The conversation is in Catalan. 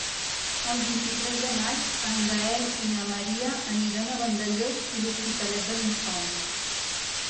El vint-i-tres de maig en Gaël i na Maria aniran a Vandellòs i l'Hospitalet de l'Infant.